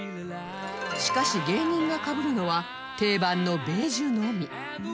しかし芸人がかぶるのは定番のベージュのみ